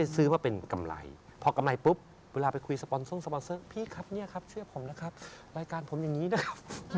สปอนเซอร์พี่ครับเชื่อผมนะครับรายการผมอย่างนี้นะครับ